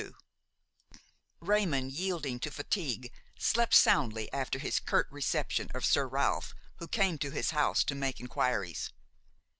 XXII Raymon, yielding to fatigue, slept soundly after his curt reception of Sir Ralph, who came to his house to make inquiries.